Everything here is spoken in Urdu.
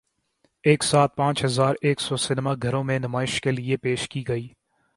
ایک ساتھ پانچ ہزار ایک سو سینما گھروں میں نمائش کے لیے پیش کی گئی